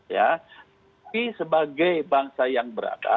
tapi sebagai bangsa yang